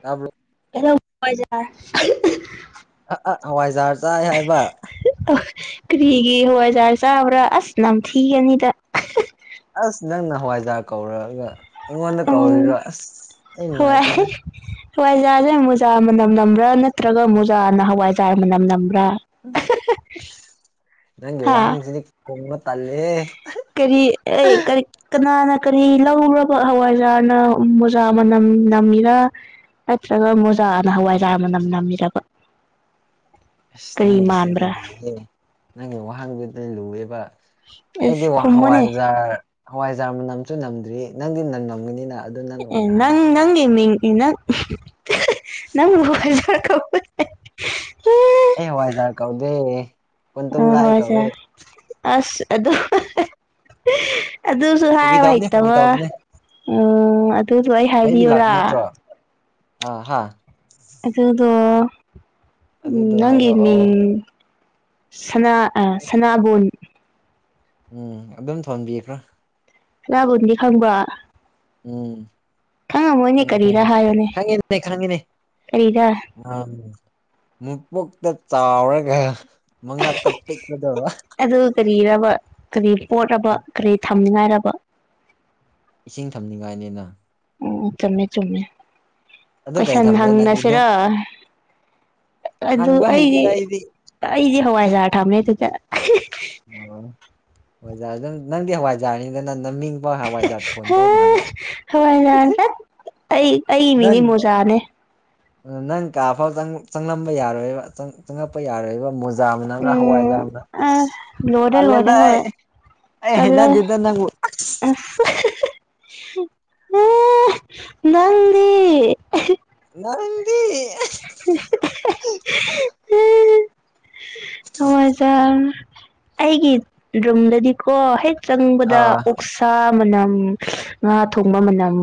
ꯇꯥꯕ꯭ꯔꯣ ꯑꯥ ꯑꯥ ꯍꯋꯥꯏꯖꯥꯔ ꯆꯥꯏ ꯍꯥꯏꯕ ꯀ꯭ꯔꯤꯒꯤ ꯍꯋꯥꯏꯖꯥꯔ ꯆꯥꯕ꯭ꯔꯥ ꯑꯁ ꯅꯝꯊꯤꯒꯅꯤꯗ ꯑꯁ ꯅꯪꯅ ꯍꯋꯥꯏꯖꯔ ꯀꯧꯔꯒ ꯑꯩꯉꯣꯟꯗ ꯀꯧꯔꯤꯔꯣ ꯎꯝ ꯑꯁ ꯑꯩ ꯅꯨꯡꯉꯥꯏꯇꯦꯗ ꯍꯋꯥꯏꯖꯥꯔꯖꯦ ꯃꯣꯖꯥ ꯃꯅꯝ ꯅꯝꯕ꯭ꯔꯥ ꯅꯠꯇ꯭ꯔꯒ ꯃꯣꯖꯥꯅ ꯍꯋꯥꯏꯖꯥꯔ ꯃꯅꯝ ꯅꯝꯕ꯭ꯔꯥ ꯅꯪꯒꯤ ꯍꯥꯥ [unintelligible] ꯋꯥꯍꯪꯁꯤꯗꯤ ꯈꯣꯡꯕ ꯇꯜꯂꯦꯍꯦ ꯀꯔꯤ ꯑꯦ ꯀꯔꯤ ꯀꯅꯥꯅ ꯀꯔꯤ ꯂꯧꯔꯕ ꯍꯋꯥꯏꯖꯥꯔꯅ ꯃꯣꯖꯥ ꯃꯅꯝ ꯅꯝꯃꯤꯔꯥ ꯅꯠꯇ꯭ꯔꯒ ꯃꯣꯖꯥꯅ ꯍꯋꯥꯏꯔꯥꯅ ꯅꯝ ꯅꯝꯕꯤꯔꯕ ꯑꯁ ꯅꯪꯒꯤꯁꯤꯗꯤ ꯂꯨꯍꯦ ꯅꯪꯒꯤ ꯋꯥꯍꯪꯗꯨꯗ ꯂꯨꯑꯦꯕ ꯑꯩꯗꯤ ꯑꯁ ꯈꯨꯝꯃꯨꯅꯦ ꯍꯋꯥꯏꯖꯥꯔ ꯍꯋꯥꯏ ꯖꯥꯔ ꯃꯅꯝꯁꯨ ꯅꯝꯗ꯭ꯔꯤ ꯅꯪꯗꯤ ꯅ ꯅꯝꯒꯅꯤꯅ ꯅꯪ ꯅꯪ ꯃꯤ ꯅꯪ ꯅꯪꯖ [inaudible] ꯑꯩ ꯋꯥꯏꯖꯥꯔ ꯀꯧꯗꯦ ꯑ ꯀꯨꯟꯇꯨꯝ ꯂꯥꯏ ꯀꯧꯋꯦ ꯍꯋꯥꯏꯖꯔ ꯑꯁ ꯑꯗꯨ ꯑꯗꯨꯁꯨ ꯐꯥꯒꯤ ꯍꯥꯏꯕ ꯇꯧꯕꯅꯦ ꯐꯥꯒꯤ ꯍꯩꯇꯕ ꯇꯧꯕꯅꯦ ꯎꯝ ꯑꯗꯨꯁꯨ ꯑꯩ ꯑꯩꯗꯤ ꯍꯥꯏꯕꯤꯌꯨꯔꯥ ꯂꯥꯛꯄ ꯅꯠꯇ꯭ꯔꯣ ꯑꯥ ꯍꯥꯥ ꯑꯗꯨꯗꯣ ꯎꯝ ꯑꯗꯨꯗꯣ ꯅꯪꯒꯤ ꯍꯥꯏꯔꯛꯑꯣ ꯃꯤꯡ ꯁꯅꯥ ꯑꯥ ꯁꯅꯥꯕꯨꯟ ꯎꯝ ꯑꯗꯨꯝ ꯊꯣꯟꯕꯤꯈ꯭ꯔꯥ ꯁꯅꯥꯕꯨꯟꯗꯤ ꯈꯪꯕꯔꯥ ꯎꯝ ꯈꯪꯉꯦ ꯀꯔꯤꯔꯥ ꯈꯪꯉꯦ ꯍꯥꯏꯌꯣꯅꯦ ꯈꯪꯉꯤꯅꯦ ꯈꯪꯉꯤꯅꯦ ꯀꯔꯤꯔ ꯎꯝ ꯃꯄꯣꯛꯇ ꯆꯥꯎꯔꯒ ꯃꯉꯛꯇ ꯄꯤꯛꯄꯗꯣ ꯑꯗꯨ ꯀꯔꯤꯔꯕ ꯀꯔꯤ ꯄꯣꯠꯔꯕ ꯑꯠ ꯀꯔꯤ ꯊꯝꯅꯤꯉꯥꯏꯔꯕ ꯏꯁꯤꯡ ꯊꯝꯅꯤꯡꯉꯥꯏꯅꯤꯅ ꯑꯣ ꯆꯨꯝꯃꯦ ꯆꯨꯝꯃꯦ ꯑꯗꯨ ꯀꯩ ꯀꯣꯏꯁꯟ ꯊꯝꯂꯦ ꯅꯪꯗꯤ ꯅꯨꯡ ꯍꯪꯉꯁꯤꯔ ꯑꯗꯨ ꯍꯪꯕ ꯑꯩꯗꯤ ꯍꯩꯇꯦꯗ ꯑꯩꯗꯤ ꯍꯋꯥꯖꯥꯔ ꯊꯝꯃꯦ ꯑꯗꯨꯗ ꯑꯗꯨ ꯅꯪꯦ ꯋꯥꯖꯅꯤꯗ ꯅ ꯍꯝ ꯍꯣꯏ ꯌꯥ ꯇ ꯑꯩ ꯑꯩ ꯏ ꯅꯪ ꯃꯤꯅꯤ ꯃꯣꯖꯥꯅꯦ ꯅꯪ ꯀꯥ ꯐꯥꯎ ꯆꯪꯂꯝꯕ ꯌꯥꯔꯣꯏꯕ ꯆꯪꯉꯛꯄ ꯌꯥꯔꯣꯏꯕ ꯃꯨꯖ ꯅꯝꯅ ꯎꯝ ꯍꯋꯥꯏꯖꯅ ꯑ ꯂꯣꯏꯔꯦ ꯂꯣꯏꯔꯦ ꯇꯜꯂꯦꯗ ꯍꯣꯏ ꯑ ꯍꯅꯗꯗ ꯅꯪꯕꯨ ꯎꯝ ꯅꯗꯤ ꯅꯪꯗꯤ ꯑꯁ ꯎꯝ ꯑꯩꯒꯤ ꯔꯨꯝꯗꯗꯤꯀꯣ ꯍꯦꯛ ꯆꯪꯕꯗ ꯑꯥ ꯑꯣꯛꯁꯥ ꯃꯅꯝ ꯉꯥ ꯊꯣꯡꯕ ꯃꯅꯝ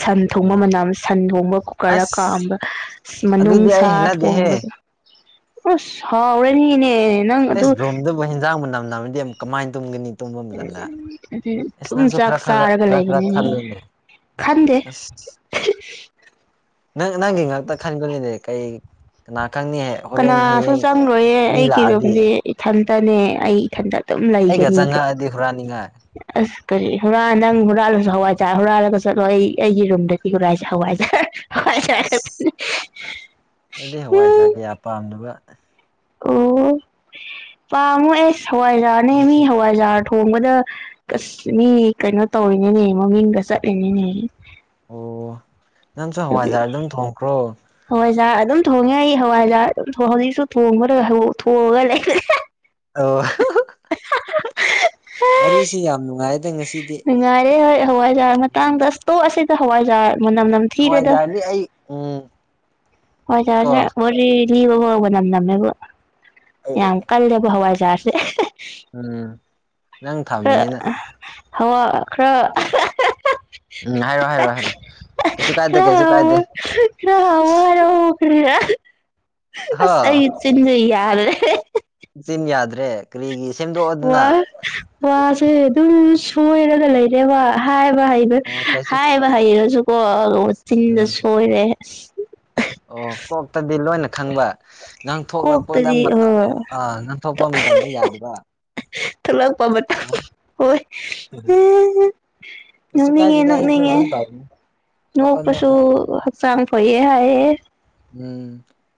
ꯁꯟ ꯊꯣꯡꯕ ꯎꯝ ꯃꯅꯝ ꯁꯟ ꯊꯣꯡꯕ ꯀꯨꯀꯔꯗ ꯑꯁ ꯀꯥꯝꯕ ꯑꯗꯨꯗꯤ ꯑꯩ ꯃꯅꯨꯡꯁ ꯍꯩꯅꯗꯦꯍꯦ ꯊꯣꯡꯕꯗꯣ ꯑꯣ ꯍꯥꯎꯔꯅꯤꯅꯦ ꯅꯪ ꯑꯗꯨ ꯑꯦꯁ ꯔꯨꯝꯗꯕꯨ ꯍꯦꯟꯖꯥꯡ ꯃꯅꯝ ꯅꯕꯗꯤ ꯀꯃꯥꯏꯅ ꯇꯨꯝꯒꯅꯤ ꯇꯨꯝꯐꯝꯝꯗꯟꯗ ꯏꯁ ꯑꯗꯨꯝ ꯅꯪꯁꯨ ꯆꯥꯛ ꯈꯔ ꯈ ꯆꯥꯔꯒ ꯈꯔ ꯈꯔ ꯂꯩꯕꯅꯤꯅꯦ ꯈꯜꯂꯨꯅꯦ ꯈꯟꯗꯦ ꯅꯪ ꯅꯪ ꯏ ꯉꯥꯛꯛꯇ ꯈꯅꯤꯡꯒꯅꯤꯅꯦ ꯀꯩ ꯀꯅꯥ ꯈꯪꯅꯤ ꯍꯣꯔꯦꯟ ꯀꯅꯥꯁꯨ ꯍꯌꯦꯡ ꯆꯪꯪꯂꯣꯏꯌꯦ ꯃꯤ ꯑꯩꯒꯤ ꯂꯥꯛꯑꯗꯤ ꯔꯨꯝꯗꯤꯦ ꯏꯊꯟꯇꯅꯦ ꯑꯩ ꯏꯊꯟꯇ ꯑꯗꯨꯝ ꯑꯩꯒ ꯂꯩꯒꯅꯤꯒ ꯆꯪꯉꯛꯑꯗꯤ ꯍꯨꯔꯥꯟꯅꯤꯡꯉꯥꯏ ꯑꯁ ꯀꯔꯤ ꯍꯨꯔꯥꯟ ꯅꯪ ꯍꯨꯔꯥꯜꯂꯁꯨ ꯍꯋꯥꯏꯖꯔ ꯍꯨꯔꯥꯜꯂꯒ ꯆꯠꯂꯣ ꯑꯩ ꯑꯩꯒꯤ ꯔꯨꯝꯗꯗꯤ ꯍꯨꯔꯥꯏꯁꯦ ꯍꯋꯥꯏꯖꯔ ꯑꯁ ꯑꯩꯗꯤ ꯍꯋꯥꯏꯖꯥꯛ ꯎꯝ ꯀꯌꯥ ꯄꯥꯝꯅꯕ ꯑꯣ ꯄꯥꯃꯨ ꯑꯦꯁ ꯍꯋꯥꯏꯖꯥꯅꯦ ꯑꯃꯤ ꯍꯋꯥꯏꯖꯥꯎ ꯊꯣꯡꯕꯗ ꯑꯁ ꯃꯤ ꯀꯩꯅꯣ ꯇꯧꯔꯤꯅꯤꯅꯦ ꯃꯃꯤꯡꯒ ꯆꯠꯂꯤꯅꯤꯅꯦ ꯑꯣ ꯅꯪꯁꯨ ꯑꯗꯨꯒꯤ ꯍꯋꯥꯏꯖꯥꯔ ꯑꯗꯨꯝ ꯊꯣꯡꯈ꯭ꯔꯣ ꯍꯋꯥꯏꯖꯥꯔ ꯑꯗꯨꯝ ꯊꯣꯡꯉꯦ ꯑꯩ ꯍꯋꯥꯏꯖꯥꯔ ꯑꯗꯨꯝ ꯍꯧꯖꯤꯛꯁꯨ ꯊꯣꯡꯕ ꯊꯣꯡꯉꯒ ꯂꯩ ꯑ ꯋꯥꯔꯤꯔꯤ ꯁꯤ ꯌꯥꯝꯅꯨꯡꯉꯥꯏ ꯅꯨꯡꯉꯥꯏꯔꯦ ꯍꯣꯏ ꯍꯋꯥꯏꯖꯥꯔ ꯃꯇꯥꯡꯗ ꯑꯇꯣꯛꯑ ꯑꯁꯤꯗ ꯍꯋꯥꯏꯖꯥꯔ ꯃ ꯅꯝꯅꯝ ꯊꯔꯦꯗ ꯍꯋꯥꯏꯖꯥꯔꯗꯤ ꯑꯩ ꯎꯝ ꯀꯣ ꯍꯋꯥꯏꯖꯔ ꯋꯥꯔꯤ ꯂꯤꯕ ꯍꯕ ꯅꯝꯂꯝꯃꯦꯕ ꯌꯥꯝ ꯀꯜꯂꯦꯕ ꯍꯋꯥꯏꯖꯦ ꯆꯥꯁꯦ ꯎꯝ ꯅꯪ ꯊꯝꯕꯅꯤꯅ ꯍꯋꯥ ꯈꯔ ꯎꯝ ꯍꯥꯏꯔꯣ ꯍꯥꯏꯔꯣ ꯍꯥꯏꯔꯣ ꯀꯩꯁꯨ ꯀꯥꯏꯗꯦ ꯈꯔ ꯀꯩꯁꯨ ꯍꯥꯎ ꯀꯥꯏꯗꯦ ꯈꯔ ꯍꯥꯎ ꯈꯔ ꯍ ꯑꯁ ꯑꯩ ꯆꯤꯟꯁꯨ ꯌꯥꯔꯦ ꯁꯤꯟ ꯌꯥꯗ꯭ꯔꯦ ꯀꯔꯤꯒꯤ ꯁꯦꯝꯗꯣꯛꯑꯣꯗꯅ ꯋꯥ ꯋꯥꯁꯦ ꯑꯗꯨꯝ ꯁꯣꯏꯔꯒ ꯂꯩꯔꯦ ꯋꯥ ꯍꯥꯏ ꯍꯥꯏꯕ ꯍꯩꯕ ꯑꯣ ꯀꯩꯁꯨ ꯍꯥꯏꯕ ꯍꯩꯔꯁꯨꯀꯣ ꯆꯤꯟꯗ ꯎꯝ ꯁꯣꯏꯔꯦ ꯑꯁ ꯑꯣ ꯀꯣꯛꯇꯗꯤ ꯂꯣꯏꯅ ꯈꯪꯕ ꯉꯪꯊꯣꯛꯂꯛꯄꯗ ꯀꯣꯛꯇꯗꯤ ꯑꯥ ꯑꯥ ꯉꯪꯊꯣꯛꯄ ꯃꯇꯝꯗ ꯌꯥꯗꯕ ꯊꯂ ꯄꯕ ꯇ ꯑꯦ ꯍꯣꯏ ꯀꯩꯁꯨ ꯅꯅꯨꯡꯅꯤꯡꯉꯦ ꯀꯥꯏꯗꯦꯗ ꯑꯩꯁꯨ ꯅꯣꯛꯅꯤꯡꯉꯦ ꯑꯗꯨꯝ ꯇꯧꯕꯅꯤ ꯅꯣꯛꯑꯣ ꯅꯣꯛꯄꯁꯨ ꯅꯣꯛꯑꯣ ꯍꯛꯆꯥꯡ ꯐꯩꯌꯦ ꯍꯥꯏꯑꯦ ꯎꯝ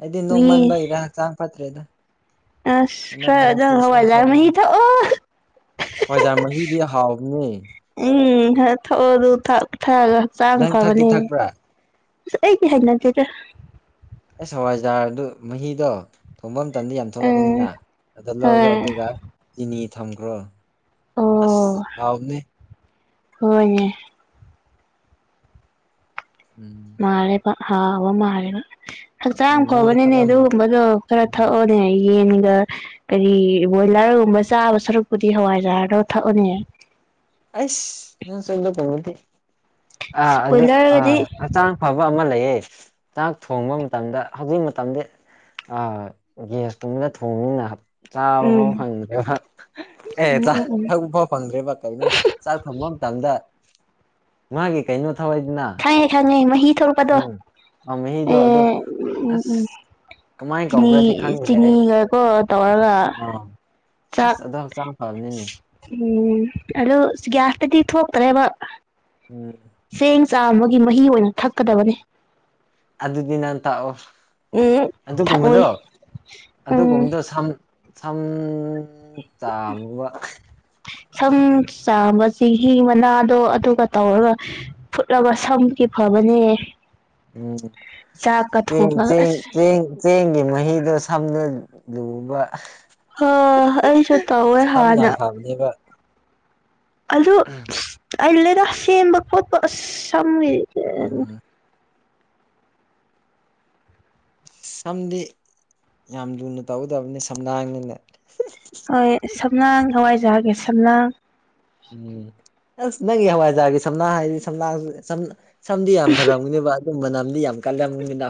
ꯑꯩꯗꯤ ꯅꯣꯡꯃꯟꯕꯩꯔꯥ ꯍꯛꯆꯥꯡ ꯐꯠꯇ꯭ꯔꯦꯗ ꯑꯁ ꯍꯟꯗꯛ ꯈ ꯃꯔꯛꯁꯤ ꯍꯋꯥ ꯂꯥ ꯃꯤ ꯑ ꯄꯖꯥ ꯃꯍꯤꯗꯤ ꯍꯥꯎꯕꯅꯦ ꯎꯝ ꯊꯛꯑ ꯑꯗꯨ ꯊꯛꯑꯒ ꯍꯛꯆꯥꯡ ꯅꯪ ꯊꯛꯇꯤ ꯐꯕꯅꯦ ꯊꯛꯄ꯭ꯔꯥ ꯑꯩꯗꯤ ꯍꯥꯏ ꯅꯠꯇꯦꯗ ꯑꯩ ꯍꯋꯥꯏꯖꯥꯔꯗꯨ ꯃꯍꯤꯗꯣ ꯊꯣꯐꯝ ꯃꯇꯝꯟꯗ ꯌꯥꯝ ꯎꯝ ꯊꯣꯛꯂꯛꯀꯅꯤꯅ ꯑꯗꯨ ꯂꯧꯔꯣ ꯍꯣꯏ ꯑꯗꯨꯒ ꯆꯤꯅꯤ ꯊꯝꯈ꯭ꯔꯣ ꯑꯣ ꯑꯁ ꯑꯅꯦ ꯍꯣꯏꯅꯦ ꯎꯝ ꯃꯥꯔꯦ ꯄ ꯍꯥꯥꯎ ꯑ ꯃꯥꯔꯦ ꯎꯝ ꯍꯛꯆꯥꯡ ꯅꯪꯗꯤ ꯐꯕꯅꯤꯅꯦ ꯊꯠꯂꯝꯃꯣꯏ ꯑꯗꯨꯒꯨꯝꯕꯗꯣ ꯈꯔ ꯊꯛꯑꯣꯅꯦ ꯑꯩ ꯌꯦꯟꯒ ꯀꯔꯤ ꯕꯣꯏꯂꯔꯒꯨꯝꯕ ꯆꯥꯕ ꯁꯔꯨꯛꯄꯨꯗꯤ ꯍꯋꯥꯏꯖꯥꯗ ꯊꯛꯑꯅꯦ ꯑꯁ ꯅ ꯆꯂ ꯀꯗꯤ ꯑꯥ ꯑꯗꯨ ꯑꯥ ꯕꯣꯏꯂꯔꯒꯗꯤ ꯍꯛꯆꯥꯡ ꯐꯕ ꯑꯃ ꯂꯩꯌꯦ ꯆꯥꯛ ꯊꯣꯡꯕ ꯃꯇꯝꯗ ꯍꯧꯖꯤꯛ ꯃꯇꯝꯗꯤ ꯑꯥ ꯒ꯭ꯦꯁꯀꯨꯝꯕꯅ ꯊꯣꯡꯅꯤꯅ ꯆꯥꯕ ꯎꯝ ꯐꯥꯎ ꯐꯪꯗ꯭ꯔꯦꯕ ꯑꯦ ꯎꯝ ꯆꯥ ꯎꯝ ꯎꯝ ꯊꯛꯄ ꯐꯥꯎ ꯐꯪꯗ꯭ꯔꯦꯕ ꯀꯩꯅꯣ ꯐꯪꯕ ꯃꯇꯝꯗ ꯃꯥꯒꯤ ꯀꯩꯅꯣ ꯊꯧꯋꯦꯗꯅ ꯈꯪꯉꯦ ꯈꯥꯡꯉꯦ ꯃꯍꯤ ꯊꯣꯛꯔꯛꯄꯗꯣ ꯎꯝ ꯑ ꯃꯍꯤꯗꯣ ꯑꯦ ꯑꯗꯣ ꯎꯝ ꯎꯝ ꯑꯁ ꯀꯃꯥꯏꯅ ꯆꯤꯅꯤ ꯀꯧꯕ꯭ꯔꯗꯤ ꯈꯪꯗ꯭ꯔꯦ ꯑꯩ ꯆꯤꯅꯤꯒꯀꯣ ꯇꯧꯔꯒ ꯆꯥꯛ ꯑꯁꯗ ꯆ ꯐꯅꯤꯅꯦ ꯎꯝ ꯑꯣ ꯒ꯭ꯌꯥꯁꯇꯗꯤ ꯊꯣꯛꯇ꯭ꯔꯦꯕ ꯎꯝ ꯆꯦꯡ ꯆꯥ ꯑꯃꯒꯤ ꯃꯍꯤ ꯑꯣꯏꯅ ꯎꯝ ꯊꯛꯀꯗꯕꯅꯤ ꯑꯗꯨꯗꯤ ꯅꯍꯥꯟ ꯇꯥꯛꯑꯣ ꯎꯝ ꯊꯛꯑꯣꯏ ꯑꯗꯨꯒꯨꯝꯕꯗꯣ ꯎꯝ ꯑꯗꯨꯒꯨꯝꯕꯗꯣ ꯁꯝ ꯁꯝ ꯆꯥꯕꯕ ꯁꯝ ꯆꯥꯝꯕ ꯆꯦꯡꯍꯤ ꯃꯅꯥꯗꯣ ꯑꯗꯨꯒ ꯇꯧꯔꯒ ꯐꯨꯠꯂꯒ ꯁꯝ ꯐꯕꯅꯦ ꯎꯝ ꯆꯥꯛꯀ ꯆꯦꯡ ꯊꯣꯡꯉꯒ ꯆꯦꯡ ꯑꯁ ꯆꯦꯡ ꯆꯦꯡꯒꯤ ꯃꯍꯤꯗꯣ ꯁꯝꯅ ꯂꯨꯕ ꯍ ꯑꯩꯁꯨ ꯇꯧꯋꯦ ꯁꯝ ꯍꯥꯟꯅ ꯌꯥꯝ ꯐꯕꯅꯦꯕ ꯑꯗꯨ ꯑꯜꯗ ꯁꯦꯝꯕ ꯈꯣꯠꯄ ꯁꯝ ꯑꯣ ꯁꯝꯗꯤ ꯌꯥꯝ ꯂꯨꯅ ꯇꯧꯒꯗꯕꯅꯤ ꯁꯝꯅꯥꯥꯡꯅꯅꯦ ꯍꯣꯏ ꯁꯝꯂꯥꯡ ꯍꯋꯥꯏꯖꯥꯒꯤ ꯁꯝꯂꯥꯡ ꯎꯝ ꯑꯁ ꯅꯪꯒꯤ ꯍꯋꯥꯏꯖꯥꯔꯒꯤ ꯁꯝꯅꯥ ꯍꯥꯏꯗꯤ ꯁꯝꯅꯥꯝ ꯁꯝꯗꯤ ꯌꯥꯝ ꯐꯔꯝꯒꯅꯦꯕ ꯑꯗꯨꯝꯕꯅꯝꯗꯤ ꯌꯥꯝ ꯀꯜꯂꯝꯒꯨꯅꯤꯕ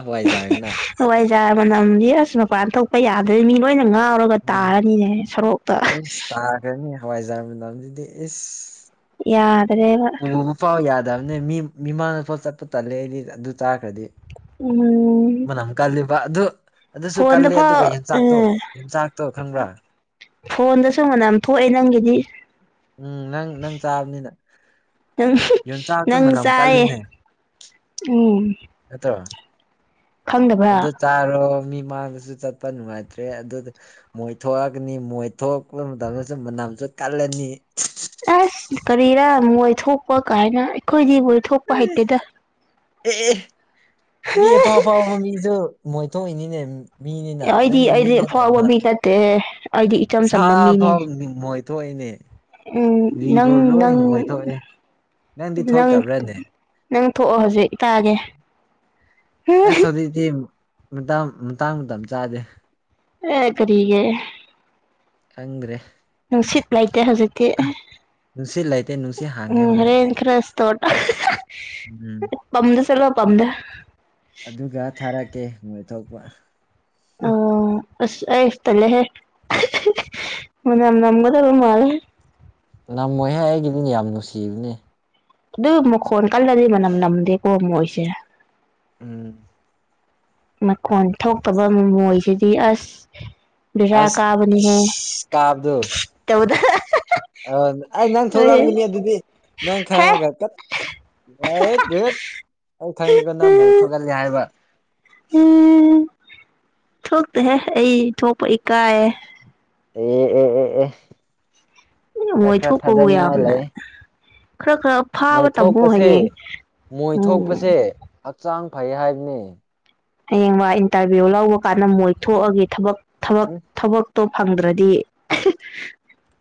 ꯍꯣꯏꯖꯥꯔ ꯃꯅꯝ ꯌꯦ ꯑꯁ ꯃꯄꯥꯟ ꯊꯣꯛꯄ ꯌꯥꯗ꯭ꯔꯦ ꯃꯤ ꯂꯣꯏꯅ ꯉꯥ ꯉꯥꯎꯔꯒ ꯎꯝ ꯇꯥꯔꯅꯤꯅꯦ ꯁꯣꯔꯣꯛꯇ ꯑꯩꯁ ꯇꯥꯈ꯭ꯔꯅꯤ ꯍꯋꯥꯏꯖꯥꯔ ꯃꯅꯝꯖꯤꯗꯤ ꯏꯁ ꯌꯥꯗ꯭ꯔꯦꯕ ꯎꯕ ꯐꯥꯎ ꯌꯥꯗꯕꯅꯦ ꯃꯤ ꯃꯤꯃꯥꯅꯕ ꯐꯥꯎ ꯆꯠꯄ ꯇꯜꯂꯦ ꯑꯩꯗꯤ ꯑꯗꯨ ꯆꯥꯈ꯭ꯔꯗꯤ ꯎꯝ ꯃꯅꯝ ꯀꯜꯂꯤꯕ ꯑꯗꯨ ꯑꯗꯨꯁꯨ ꯐꯣꯟꯗ ꯀꯜꯂꯦ ꯐꯥꯎ ꯑꯗꯨꯒ ꯌꯦꯟꯖꯥꯛꯇꯣ ꯌꯦꯟꯖꯥꯛꯇꯣ ꯈꯪꯕ꯭ꯔꯥ ꯐꯣꯟꯗꯁꯨꯨꯝ ꯃꯅꯝ ꯊꯣꯛꯑꯦ ꯅꯪꯒꯤꯗꯤ ꯎꯝ ꯅꯪ ꯅꯪ ꯆꯥꯕꯅꯤꯅ ꯅꯪ ꯌꯣꯟꯆꯥꯛꯇꯣ ꯅꯪ ꯃꯅꯝ ꯆꯥꯏꯌꯦ ꯀꯜꯂꯤꯅꯦ ꯎꯝ ꯅꯠꯇ꯭ꯔꯣ ꯈꯪꯗꯕ꯭ꯔꯥ ꯑꯗꯨ ꯆꯥꯔꯣ ꯃꯤ ꯃꯥꯡꯗꯁꯨ ꯆꯠꯄ ꯅꯨꯡꯉꯥꯏꯇ꯭ꯔꯦ ꯑꯗꯨꯗ ꯃꯣꯏ ꯊꯣꯛꯑꯒꯅꯤ ꯃꯣꯏ ꯊꯣꯛꯄ ꯃꯇꯝꯗꯁꯨ ꯃꯅꯝꯁꯨ ꯀꯜꯂꯅꯤ ꯑꯁ ꯀꯔꯤꯔꯥ ꯃꯣꯏ ꯊꯣꯛꯄ ꯀꯥꯏꯅ ꯑꯩꯈꯣꯏꯗꯤꯕꯨ ꯑꯦ ꯃꯤ ꯑꯦꯐꯥꯎ ꯐꯥꯎꯥꯎ ꯃꯤꯁꯨ ꯃꯣꯏ ꯊꯣꯛꯏꯅꯤꯅꯦ ꯃꯤꯅꯤꯅ ꯑꯩꯗꯤ ꯑꯩꯗꯤ ꯐꯋꯥꯕꯝ ꯃꯤ ꯅꯠꯇꯦꯍꯦ ꯁꯥꯐꯥꯎꯃꯣꯏ ꯊꯣꯛꯏꯅꯦ ꯎꯝ ꯂꯤꯕꯨ ꯅꯪ ꯂꯣꯏ ꯅꯪ ꯃꯣꯏꯊꯣꯛꯑꯦ ꯅꯪꯗꯤ ꯅꯪ ꯊꯣꯛꯇꯕ꯭ꯔꯅꯦ ꯅꯪ ꯊꯣꯛꯑꯣ ꯍꯧꯖꯤꯛ ꯇꯥꯥꯒꯦ ꯑ ꯁꯖꯤꯗꯤ ꯃꯇꯥꯡ ꯆꯥꯗꯦ ꯑꯦ ꯀꯔꯤꯒꯦ ꯈꯪꯗ꯭ꯔꯦ ꯅꯨꯡ ꯁꯤꯠ ꯂꯩꯇꯦ ꯍꯧꯖꯤꯛꯇꯤ ꯅꯨꯡꯁꯤꯠ ꯂꯩꯇꯦ ꯅꯨꯡꯁꯤꯠ ꯍꯥꯡꯒꯦ ꯎꯝ ꯍꯣꯔꯦꯟ ꯍꯔꯦꯟ ꯈꯔꯁ ꯁ꯭ꯇꯣꯔ ꯎꯝ ꯑꯍꯍꯍ ꯄꯝꯗ ꯆꯠꯂꯣ ꯄꯝꯗ ꯑꯗꯨꯒ ꯊꯥꯔꯛꯀꯦ ꯃꯣꯏ ꯊꯣꯛꯄ ꯑꯣ ꯑꯁ ꯑꯁ ꯇꯜꯂꯦꯍꯦ ꯃꯅ ꯅꯝꯒꯗꯕ ꯃꯥꯂꯦ ꯉꯝꯃꯣꯏ ꯍꯥꯏ ꯑꯩꯒꯤꯗꯤꯅꯦ ꯌꯥꯝ ꯅꯨꯡꯁꯤꯕꯅꯦ ꯑꯗꯨ ꯃꯈꯣꯟ ꯀꯜꯂꯗꯤ ꯃꯅꯝ ꯅꯝꯗꯦꯀꯣ ꯃꯣꯏꯁꯦ ꯎꯝ ꯃꯈꯣꯟ ꯊꯣꯛꯇꯕ ꯃꯣꯃꯣꯏꯁꯤꯗꯤ ꯑꯁ ꯔꯥ ꯑꯁ ꯀꯥꯕꯅꯤꯍꯦ ꯏꯁ ꯀꯥꯕꯗꯨ ꯇꯧꯕꯗ ꯑ ꯑꯩ ꯅꯪ ꯍꯦ ꯊꯣꯛꯂꯛꯑꯝꯒꯅꯤ ꯑꯗꯨꯗꯤ ꯅꯪ ꯈꯉꯒ ꯔꯦꯠ ꯔꯦꯠ ꯑꯩ ꯈꯪꯉꯤ ꯅꯪ ꯃꯣꯏ ꯊꯣꯒꯜꯂꯤ ꯍꯥꯏꯕ ꯎꯝ ꯊꯣꯛꯇꯦꯍꯦ ꯑꯩ ꯊꯣꯛꯄ ꯏꯀꯥꯏ ꯑꯦ ꯑꯦ ꯑꯦ ꯑꯦ ꯈꯔ ꯃꯣꯏ ꯈꯔ ꯊꯣꯛꯄꯕꯨ ꯊꯥꯖꯅꯤꯡꯉꯥꯏ ꯌꯥꯝꯅ ꯂꯩ ꯈꯔ ꯈꯔ ꯐꯥꯕ ꯇꯝꯃꯣ ꯃꯣꯏꯊꯣꯛꯄꯁꯦ ꯍꯌꯦꯡ ꯎꯝ ꯃꯣꯏꯊꯣꯛꯄꯁꯦ ꯍꯛꯆꯥꯡ ꯐꯩ ꯍꯥꯏꯕꯅꯤ ꯍꯌꯦꯡꯕ ꯏꯟꯇꯔꯚꯤꯌꯨ ꯂꯧꯕ ꯀꯥꯟꯗ ꯃꯣꯏ ꯊꯣꯛꯑꯒꯦ ꯊꯕꯛ ꯊ ꯎꯝ ꯊꯕꯛ ꯇꯣ ꯐꯪꯗ꯭ꯔꯗꯤ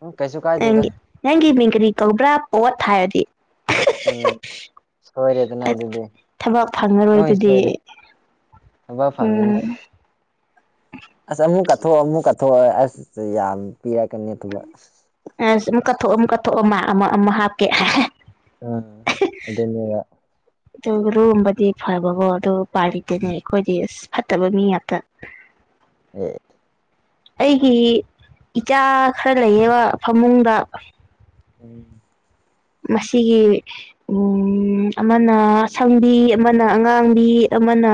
ꯎꯝ ꯀꯩꯁꯨ ꯀꯥꯏꯗꯦꯗ ꯅꯒꯤ ꯅꯪꯒꯤ ꯃꯤꯡ ꯀꯔꯤ ꯀꯧꯕ꯭ꯔꯥ ꯑꯣꯠ ꯊ ꯍꯥꯏꯔꯗꯤ ꯎꯝ ꯁꯣꯏꯔꯦꯗꯅꯥ ꯑꯁ ꯑꯗꯨꯗꯤ ꯊꯕꯛ ꯅꯣꯏ ꯐꯪꯉꯔꯣꯏꯗꯨꯗꯤ ꯁꯣꯏꯔꯦ ꯊꯕ ꯐꯪꯉꯅꯦ ꯎꯝ ꯑꯁ ꯃꯨ ꯀ ꯀꯠꯊꯣꯛꯑ ꯑꯃꯨꯛ ꯀꯠꯊꯣꯛꯑ ꯑꯁ ꯌꯥꯝ ꯄꯤꯔꯛꯀꯅꯤ ꯑꯗꯨꯒꯕꯛ ꯀꯠꯊꯣꯛꯑ ꯑꯃ ꯀꯠꯊꯣꯛꯑ ꯑꯃ ꯑꯃ ꯑꯃ ꯍꯥꯞꯀꯦ ꯑ ꯑꯗꯨꯗꯅ ꯑꯗꯨ ꯂꯨꯒꯕꯗꯤ ꯐꯕꯀꯣ ꯑꯗꯨ ꯄꯥꯜꯂꯤꯇꯅꯦ ꯑꯩꯈꯣꯏꯗꯤ ꯑꯁ ꯐꯠꯇꯕ ꯃꯤ ꯉꯥꯛꯇ ꯎ ꯑꯩꯒꯤ ꯏꯆꯥ ꯈꯔ ꯂꯩꯌꯦꯕ ꯐꯃꯨꯡꯗ ꯎꯝ ꯃꯁꯤꯒꯤ ꯎ ꯑꯃꯅ ꯑꯁꯪꯕꯤ ꯑꯃꯅ ꯑꯉꯥꯡꯕꯤ ꯑꯃꯅ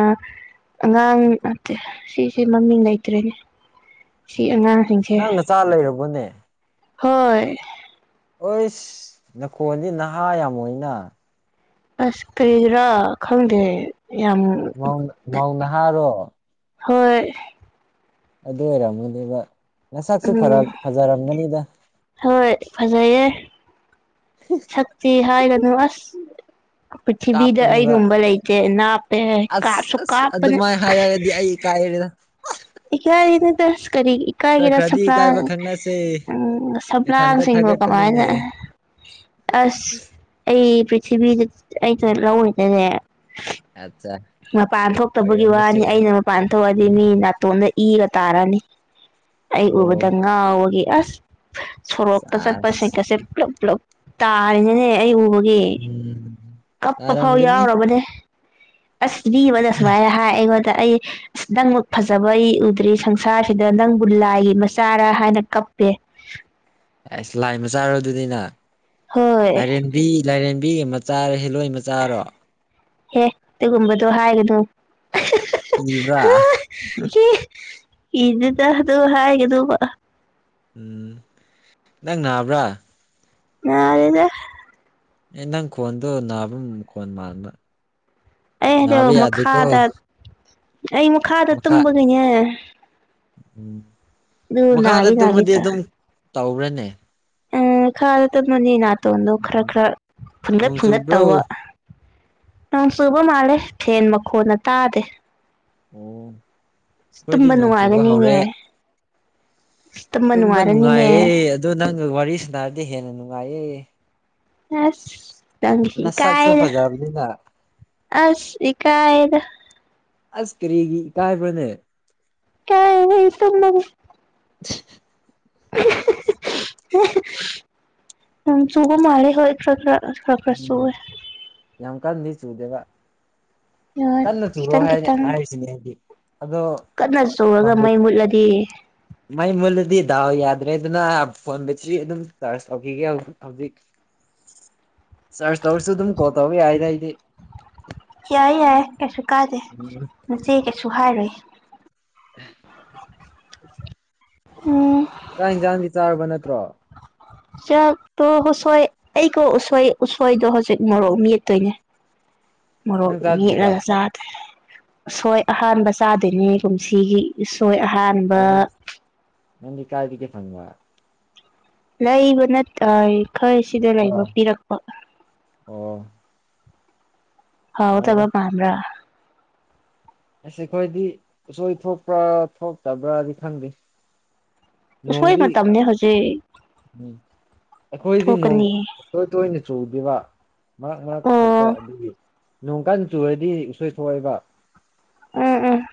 ꯑꯉꯥꯡ ꯅꯠꯇꯦ ꯁꯤꯁꯦ ꯃꯃꯤꯡ ꯂꯩꯇ꯭ꯔꯦꯅꯦ ꯁꯤ ꯎꯝ ꯑꯉꯥꯡꯁꯤꯡꯁꯦ ꯅꯪ ꯅꯆꯥ ꯂꯩꯔꯕꯣꯅꯦ ꯍꯣꯏ ꯍꯣꯏꯁ ꯅꯈꯣꯗꯤ ꯅꯍꯥ ꯌꯥꯝꯃꯅ ꯑꯁ ꯇ꯭ꯔꯥ ꯈꯪꯗꯦ ꯌꯥꯝ ꯧ ꯃꯧꯅ ꯍꯥꯏꯔꯣ ꯍꯣꯏ ꯑꯗꯨ ꯑꯣꯏꯔꯝꯒꯅꯦꯕ ꯉꯁꯛꯁꯨ ꯎꯝ ꯐꯖꯔꯝꯒꯅꯤꯗ ꯍꯣꯏ ꯐꯖꯩꯌꯦ ꯁꯛꯇꯤ ꯍꯥꯏꯒꯅꯨ ꯑꯁ ꯄ꯭ꯔꯤꯊꯤꯕꯤꯗ ꯀꯥꯞꯄꯅꯦꯕ ꯑꯩꯒꯨꯝꯕ ꯂꯩꯇꯦ ꯅꯥꯞꯄꯦ ꯑꯁ ꯀꯥꯞꯁꯨ ꯑꯁ ꯀꯥꯞꯄꯅꯦ ꯑꯗꯨꯃꯥꯏ ꯍꯥꯏꯔꯒꯗꯤ ꯑꯩ ꯏꯀꯥꯏ ꯀꯥꯏꯔ‌ꯦꯗ ꯏꯀꯥꯏꯒꯅꯨꯗ ꯀꯔꯤ ꯈꯔ ꯏꯀꯥꯏꯒꯦꯔ ꯈꯔꯗꯤ ꯁꯄꯥꯡ ꯏꯀꯥꯏꯕ ꯈꯪꯅꯁꯦ ꯎ ꯅꯊꯟꯇ ꯁꯄ꯭ꯔꯥꯡꯁꯤꯡꯕꯨ ꯀꯃꯥꯏꯅ ꯊꯥꯒꯠꯀꯅꯨꯅꯦ ꯑꯁ ꯑꯩ ꯄ꯭ꯔꯤꯊꯤꯕꯤꯗ ꯑꯩꯩꯅ ꯂꯧꯔꯤꯗꯅꯦ ꯑꯠꯆꯥ ꯃꯄꯥꯟ ꯊꯣꯛꯇꯕꯒꯤ ꯑꯣꯏꯔꯝꯕꯁꯨ ꯋꯥꯅꯤ ꯌꯥꯏ ꯑꯩꯅ ꯃꯄꯥꯟ ꯊꯣꯛꯑꯗꯤ ꯎꯝ ꯃꯤꯅꯥ ꯏꯤꯒ ꯇꯥꯔꯅꯤ ꯑꯩ ꯑꯣ ꯎꯕꯗ ꯉꯥꯎꯕꯒꯦ ꯑꯁ ꯁꯣꯔꯣꯛꯇ ꯆꯠꯄ ꯁꯥꯁ ꯁꯀꯁꯦ ꯄꯨꯂꯞ ꯄꯨꯂꯞ ꯇꯥꯔꯤꯅꯤꯅꯦ ꯑꯩ ꯎꯕ ꯏ ꯎꯝ ꯀꯞꯄ ꯐꯥꯎ ꯇꯥꯔꯝꯒꯅꯤ ꯌꯥꯎꯔꯕꯅꯦ ꯑꯁ ꯃꯤꯃꯗ ꯁꯨꯃꯥꯏ ꯍꯥꯏ ꯑꯩ ꯗ ꯑꯩ ꯑꯁ ꯅꯪꯃꯛ ꯐꯖꯕ ꯑꯩ ꯎꯗ꯭ꯔꯤ ꯁꯪꯁꯥꯔꯁꯤꯗ ꯅꯪ ꯜꯂꯥꯏꯒꯤ ꯃꯆꯥꯔ ꯍꯥꯏꯅ ꯀꯞꯄꯦ ꯑꯁ ꯂꯥꯏ ꯃꯆꯥꯔ ꯑꯗꯨꯅꯤꯅ ꯍꯣꯏ ꯂꯥꯏꯔꯦꯝꯕꯤ ꯂꯥꯏꯔꯦꯟ ꯅꯨꯕꯤꯒ ꯃꯆꯥꯔꯣ ꯍꯤꯂꯣꯏ ꯃꯆꯥꯔꯣ ꯍꯦ ꯑꯗꯨꯒꯨꯝꯕꯗꯣ ꯍꯥꯏꯒꯅꯨ ꯀꯤꯕ꯭ꯔꯥ ꯀꯤꯗ‌ꯦꯗꯥ ꯑꯗꯨ ꯍꯥꯏꯒꯅꫭꯕ ꯎꯝ ꯅꯪ ꯅꯥꯕ꯭ꯔꯥ ꯅꯗ‌ꯦꯗꯥ ꯑꯦ ꯅꯪ ꯈꯣꯟꯗꯣ ꯅꯥꯕ ꯈꯣꯟ ꯃꯥꯟꯕ ꯅꯕꯥ ꯑꯩꯗꯣ ꯌꯥꯗ‌ꯦꯀꯣ ꯃꯈꯥꯗ ꯑꯩ ꯃꯈꯥꯗ ꯇꯨꯝꯕꯒꯤꯅꯦ ꯎꯝ ꯑꯗꯨ ꯃꯈꯥꯗ ꯅꯥꯒꯤ ꯅꯥꯒꯤ ꯇꯨꯝꯃꯗꯤ ꯇ ꯑꯗꯨꯝ ꯇꯧꯕ꯭ꯔꯅꯦ ꯎꯝ ꯃꯈꯥꯔꯗ ꯇꯨꯝꯕꯅꯤꯅ ꯅꯥꯇꯣꯟꯗꯣ ꯈꯔ ꯎꯝ ꯈꯔ ꯐꯨꯟꯒꯠ ꯅꯣꯡ ꯐꯨꯟꯒꯠ ꯆꯨꯕ꯭ꯔꯣ ꯇꯧꯕ ꯅꯣꯡ ꯆꯨꯕ ꯃꯥꯜꯂꯦ ꯐ‌ꯦꯟ ꯃꯈꯣꯟꯅ ꯇꯥꯗꯦ ꯑꯣ ꯑꯩꯈꯣꯏꯗꯤ ꯇꯨꯝꯕ ꯅꯣꯡ ꯆꯨꯕ ꯅꯨꯡꯉꯥꯏꯒꯅꯤꯅꯦ ꯍꯧꯔꯦ ꯇꯨꯝꯕ ꯅꯨꯡꯉꯥꯏꯌꯦ ꯑꯗꯣ ꯅꯪꯒ ꯋꯥꯔꯤ ꯁꯥꯟꯅꯔꯗꯤ ꯍꯦꯟꯅ ꯅꯨꯡꯉꯥꯏꯌꯦ ꯑꯁ ꯅꯪꯒꯤꯁꯤ ꯅꯁꯛꯁꯨ ꯀꯥꯏꯗ ꯐꯖꯕꯅꯤꯅ ꯑꯁ ꯀꯥꯏꯗ ꯑꯁ ꯀꯔꯤꯒꯤ ꯀꯥꯥꯏꯕꯔꯥꯅ‌ꯦ ꯏꯀꯥꯏ ꯑꯩ ꯇꯨꯝꯃꯒ‌ꯦ [unintelligible] ꯅꫭꯡ ꯆꯨꯕ ꯃꯥꯜꯂ‌ꯦ ꯍꯣꯏ ꯈꯔꯥ ꯈꯔꯥ ꯑꯁ ꯈꯔꯥ ꯈꯔꯥ ꯆꯨꯋ‌ꯦ ꯀꯟꯗꯤ ꯆꯨꯗꯦꯕ ꯀꯟꯅ ꯆꯨꯔꯣ ꯈꯤꯇꯪ ꯍꯥꯏꯅꯤ ꯈꯤꯇꯪ ꯍꯥꯏꯔꯤꯁꯤꯅꯦ ꯑꯩꯗꯤ ꯑꯗꯣ ꯀꯟꯅ ꯆꯨꯔꯒ ꯃꯩ ꯃꯨꯠꯂꯗꯤ ꯃꯩ ꯃꯨꯂꯗꯤ ꯗꯥꯎ ꯌꯥꯗ ꯌꯥꯏꯗꯥꯅ ꯐꯣꯟ ꯕꯦꯇ꯭ꯔꯤ ꯑꯗꯨꯝ ꯆꯥꯔꯖ ꯇꯧꯈꯤꯒꯦ ꯍꯧꯖꯤꯛ ꯆꯔꯁ ꯇꯧꯔꯁꯨ ꯑꯗꯨꯨ ꯀꯣꯜ ꯇꯧꯕ ꯌꯥꯏꯗ ꯑꯥꯏꯗꯤ ꯑꯥꯏꯗꯤ ꯌꯥꯏ ꯌꯥꯏ ꯀꯩꯁꯨ ꯀꯥꯗꯦ ꯎꯝ ꯅꯆꯦ ꯀꯩꯁꯨ ꯍꯥꯏꯔꯨꯏ ꯎꯝ ꯆꯥꯛ ꯌꯦꯟꯁꯥꯡꯗꯤ ꯆꯥꯔꯕ ꯅꯠꯇ꯭ꯔꯣ ꯆꯥꯛꯇꯣ ꯎꯁꯣꯏ ꯑꯩꯒꯣ ꯎꯁꯣꯏ ꯎꯁꯣꯏꯗꯣ ꯍꯧꯖꯤꯛ ꯃꯣꯔꯣꯛ ꯃꯦꯠꯇꯣꯏꯅꯦ ꯃꫭꯔꫭꯛ ꯅꯪ ꯆꯥꯗ꯭ꯔꯤꯕ ꯃ‌ꯦꯠꯂꯒ ꯆꯗꫭꯏꯅ‌ꯦ ꯎꯁꯣꯏ ꯑꯍꯥꯟꯕ ꯆꯥꯗꯣꯏꯅꯦ ꯀꯨꯝꯁꯤꯒꯤ ꯎꯁꯣꯏ ꯑꯍꯥꯟꯕ ꯅꯪꯗꯤ ꯀꯥꯏꯒꯤ ꯐꯪꯕ ꯂꯩꯕ ꯅꯠꯇ ꯈꯔ ꯁꯤꯗ ꯂꯩꯕ ꯑꯥ ꯄꯤꯔꯛꯄ ꯑꯣ ꯌꯥꯏꯗ ꯍꯥꯎꯒꯗꯕ ꯃꯟꯕꯔꯥ ꯑꯁ ꯑꯩꯈꯣꯏꯗꯤ ꯎꯁꯣꯏ ꯊꯣꯛꯣꯛꯄ꯭ꯔꯥ ꯊꯣꯛꯇꯕ꯭ꯔꯥꯗꯤ ꯈꯪꯗꯦ ꯑꯁꯣꯏ ꯅꯣꯡꯗꯤ ꯃꯇꯝꯅꯤꯅꯦ ꯍꯧꯖꯤꯛ ꯎꯝ ꯑꯩꯈꯣꯏꯗꯤ ꯅꯣꯡ ꯊꯣꯛꯀꯅꯤ ꯇꯣꯏ ꯇꯣꯏꯅ ꯆꯨꯗꯕ ꯃꯔꯛ ꯃꯔꯛ ꯈꯛꯇ ꯑꯣ ꯑꯗꯨꯒꯤ ꯅꯣꯡꯀꯥꯟ ꯆꯨꯔꯗꯤ ꯎꯁꯣꯏ ꯊꯣꯛꯣꯛꯑꯦꯕ ꯎꯝ ꯎꯝ